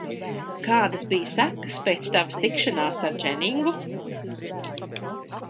Kādas bija sekas pēc tavas tikšanās ar Dženingu?